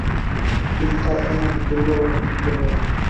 কিন্তু তার এ মত অত্যন্ত দুর্বল।